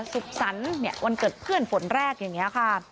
ศุกษันวันเกิดเพื่อนฝนแรกอย่างนี้ค่ะ